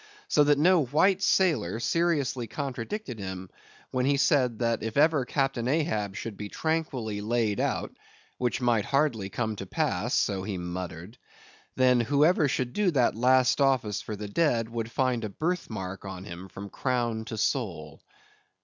So that no white sailor seriously contradicted him when he said that if ever Captain Ahab should be tranquilly laid out—which might hardly come to pass, so he muttered—then, whoever should do that last office for the dead, would find a birth mark on him from crown to sole.